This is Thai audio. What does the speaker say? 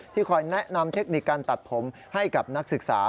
คอยแนะนำเทคนิคการตัดผมให้กับนักศึกษา